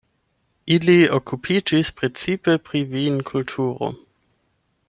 Ili okupiĝis precipe pri vinkulturo.